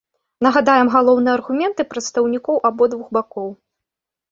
Нагадаем галоўныя аргументы прадстаўнікоў абодвух бакоў.